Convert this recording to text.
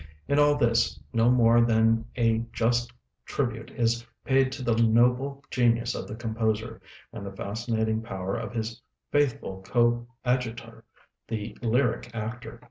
In all this, no more than a just tribute is paid to the noble genius of the composer, and the fascinating power of his faithful coadjutor, the lyric actor.